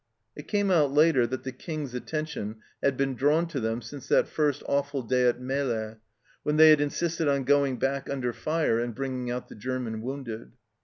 It came out later that the King's attention had been drawn to them since that first awful day at Melle, when they had insisted on going back under fire and bringing out the German wounded.